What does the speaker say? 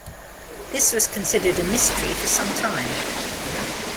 This was considered a mystery for some time.